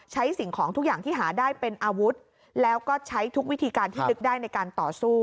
สิ่งของทุกอย่างที่หาได้เป็นอาวุธแล้วก็ใช้ทุกวิธีการที่นึกได้ในการต่อสู้